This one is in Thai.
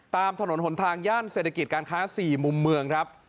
ตามถนนหนทางย่านเศรษฐกิจการค้า๔มุมเมืองครับ